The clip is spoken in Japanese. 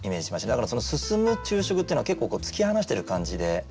だから「進む昼食」っていうのは結構突き放してる感じで。